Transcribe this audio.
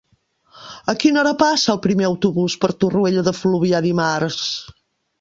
A quina hora passa el primer autobús per Torroella de Fluvià dimarts?